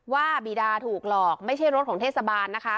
ว่าบีดาถูกหลอกไม่ใช่รถของเทศบาลนะคะ